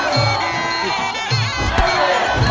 ชก